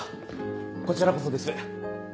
こちらこそです。